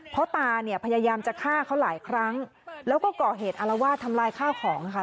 เพราะตาเนี่ยพยายามจะฆ่าเขาหลายครั้งแล้วก็ก่อเหตุอารวาสทำลายข้าวของค่ะ